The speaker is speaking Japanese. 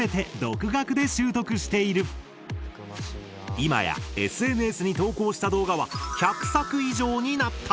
今やＳＮＳに投稿した動画は１００作以上になった！